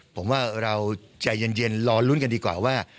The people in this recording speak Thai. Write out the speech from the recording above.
ผมว่าเราใจเย็นรอลุ้นกันดีกว่าว่า